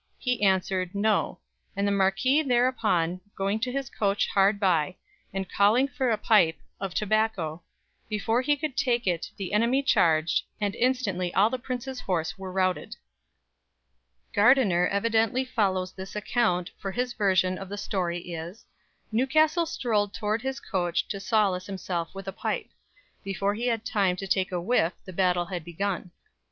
He answered, 'No'; and the marquisse thereupon going to his coach hard by, and callinge for a pype of tobacco, before he could take it the enimy charged, and instantly all the prince's horse were routed." Gardiner evidently follows this account, for his version of the story is: "Newcastle strolled towards his coach to solace himself with a pipe. Before he had time to take a whiff, the battle had begun."